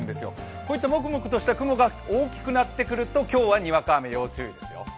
そういったもくもくとした雲が大きくなってくると今日はにわか雨、要注意ですよ。